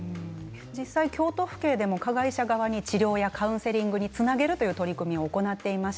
京都府警でも加害者側を治療やカウンセリングにつなげるという取り組みも行っています。